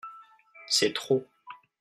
C'est trop.